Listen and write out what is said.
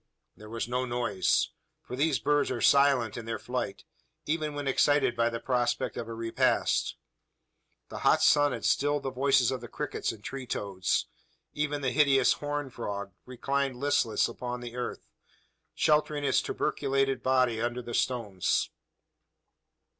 There was no noise: for these birds are silent in their flight even when excited by the prospect of a repast. The hot sun had stilled the voices of the crickets and tree toads. Even the hideous "horned frog" reclined listless along the earth, sheltering its tuberculated body under the stones.